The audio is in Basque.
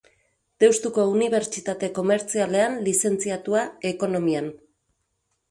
Deustuko Unibertsitate Komertzialean lizentziatua Ekonomian.